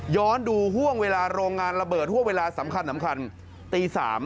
ดูห่วงเวลาโรงงานระเบิดห่วงเวลาสำคัญตี๓